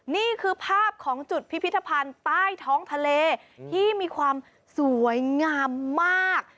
นี่คือภาพของจุดพิพิธภัณฑ์ใต้ท้องทะเลที่มีความสวยงามมาก